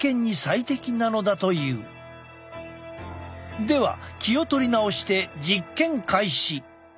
では気を取り直して実験開始！